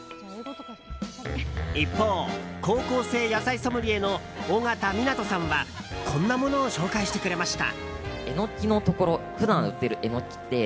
一方、高校生野菜ソムリエの緒方湊さんはこんなものを紹介してくれました。